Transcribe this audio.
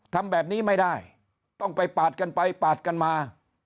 ทำแบบนี้ไม่ได้ต้องไปปาดกันไปปาดกันมา